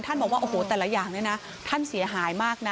บอกว่าโอ้โหแต่ละอย่างเนี่ยนะท่านเสียหายมากนะ